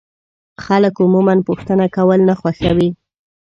خلک عموما پوښتنه کول نه خوښوي.